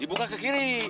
dibunuhnya ke kiri